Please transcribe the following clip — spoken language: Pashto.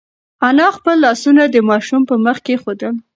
انا خپل لاسونه د ماشوم په مخ کېښودل.